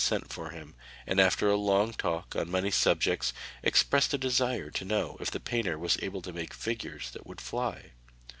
sent for him and after a long talk on many subjects expressed a desire to know if the painter was able to make figures that would fly.